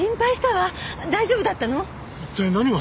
一体何が。